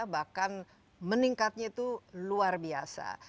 bahkan meningkatnya itu luar biasa